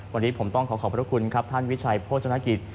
วันนี้ผมต้องขอขอบพระคุณครับท่านวิชัยโภชนกิจ